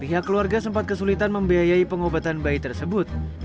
pihak keluarga sempat kesulitan membiayai pengobatan bayi tersebut